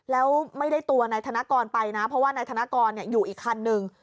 แล้วไม่ได้ตัวนายธนกรไปนะเพราะว่านายธนกรอยู่อีกคันหนึ่ง